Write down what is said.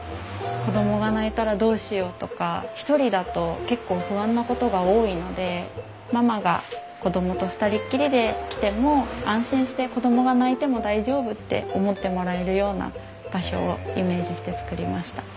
子供が泣いたらどうしようとか一人だと結構不安なことが多いのでママが子供と二人っきりで来ても安心して子供が泣いても大丈夫って思ってもらえるような場所をイメージして作りました。